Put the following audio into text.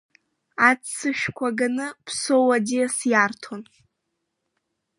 Аццышәқәа ганы Ԥсоу аӡиас иарҭон.